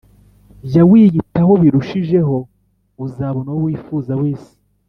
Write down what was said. Jya wiyitaho birushijeho uzabona uwo wifuza wese